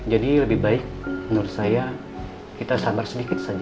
jadi lebih baik menurut saya kita sabar sedikit saja